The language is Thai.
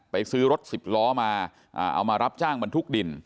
ซื้อรถสิบล้อมาเอามารับจ้างบรรทุกดิน